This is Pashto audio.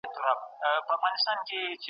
کابینه بهرنی استازی نه ګواښي.